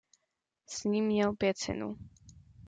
S ní měl pět synů.